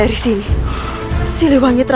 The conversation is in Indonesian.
aku harus membantu